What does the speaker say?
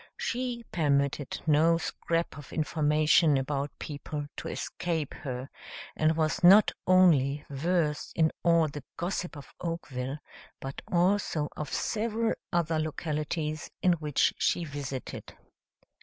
She permitted no scrap of information about people to escape her, and was not only versed in all the gossip of Oakville, but also of several other localities in which she visited.